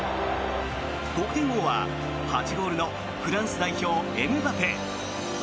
得点王は８ゴールのフランス代表、エムバペ。